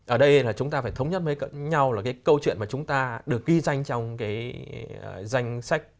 ở đây là chúng ta phải thống nhất với nhau là cái câu chuyện mà chúng ta được ghi danh trong cái danh sách